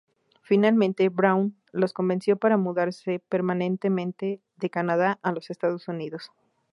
Finalmente, Braun los convenció para mudarse permanentemente de Canadá a los Estados Unidos.